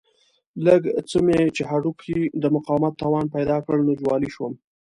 لږ څه مې چې هډوکو د مقاومت توان پیدا کړ نو جوالي شوم.